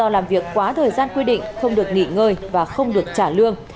làm việc quá thời gian quy định không được nghỉ ngơi và không được trả lương